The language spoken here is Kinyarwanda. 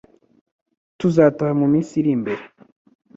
tuzataha mu minsi irimbere